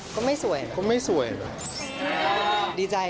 ก็ไม่สวยเหรอก็ไม่สวยเหรอ